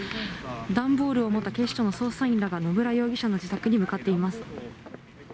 段ボールを持った警視庁の捜査員らが、野村容疑者の自宅に向かっています。